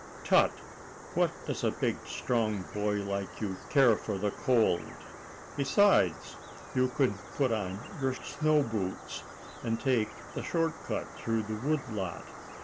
"Tut! what does a big strong boy like you care for the cold? Besides, you can put on your snow shoes, and take the short cut through the wood lot.